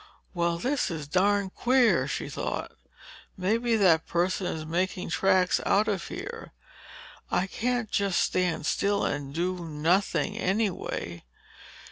"Well, this is darned queer," she thought, "maybe that person is making tracks out of here. I can't just stand still and do nothing, anyway."